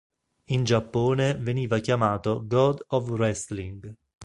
In Giappone veniva chiamato "God of Wrestling".